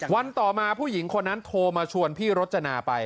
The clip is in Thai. วันต่อมาผู้หญิงคนนั้นโทรมาชวนพี่รจนาไป